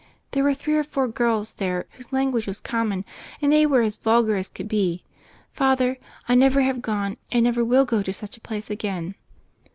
There were three or four girls there whose language was common ; and they were as vulgar as could be. Father, I never have gone and never will go to such a place again."